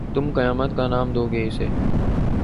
تم قیامت کا نام دو گے اِسے